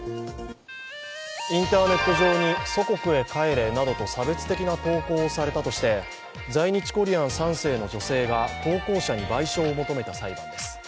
インターネット上に「祖国へ帰れ」などと差別的な投稿をされたとして、在日コリアン３世の女性が投稿者に賠償を求めた裁判です。